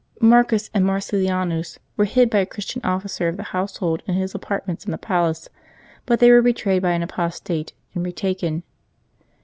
Marcus and Marcellianus were hid by a Christian officer of the household in his apart ments in the palace; but they were betrayed by an apostate, and retaken.